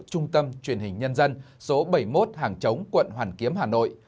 trung tâm truyền hình nhân dân số bảy mươi một hàng chống quận hoàn kiếm hà nội